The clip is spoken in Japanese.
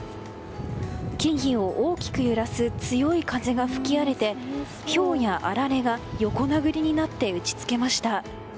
木々を大きく揺らす強い風が吹き荒れてひょうや、あられが横殴りになって打ち付けました。